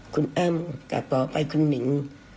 คุณอ้ำกับหมอไปคุณหนิง